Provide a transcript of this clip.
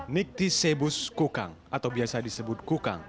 nikti sebus kukang atau biasa disebut kukang